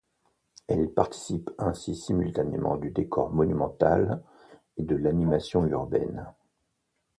Elle participe ainsi simultanément du décor monumental et de l’animation urbaine.